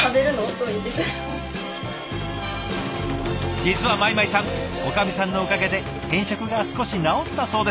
実は米舞さんおかみさんのおかげで偏食が少し直ったそうです！